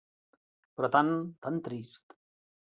Però tan, tan trist.